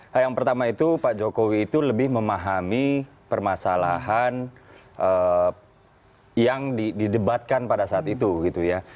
nah yang pertama itu pak jokowi itu lebih memahami permasalahan yang didebatkan pada saat itu gitu ya